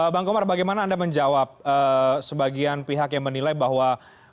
bang komar bagaimana anda menjawab sebagian pihak yang menilai bahwa